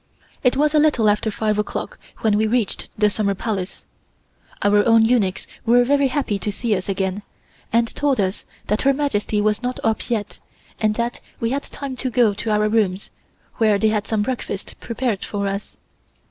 It was a little after five o'clock when we reached the Summer Palace. Our own eunuchs were very happy to see us again and told us that Her Majesty was not up yet and that we had time to go to our rooms, where they had some breakfast prepared for us.